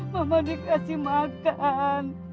mama dikasih makan